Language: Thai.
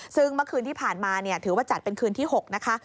ซึ่งเมื่อคืนที่ผ่านมาถือว่าจัดเป็นคืนที่๖นะคะ